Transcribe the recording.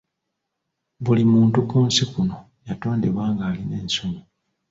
Buli muntu ku nsi kuno yatondebwa ngalina ensonyi.